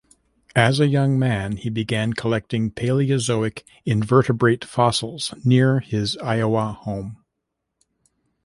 As a young man, he began collecting Paleozoic invertebrate fossils near his Iowa home.